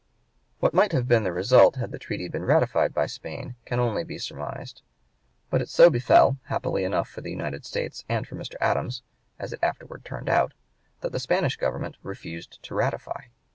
What might have been the result had the treaty been ratified by Spain can only be surmised. But it so befell happily enough for the United States and for Mr. Adams, as it afterwards turned out that the Spanish government refused to ratify.